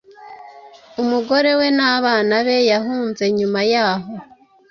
Umugore we nabana be yahunze nyuma yaho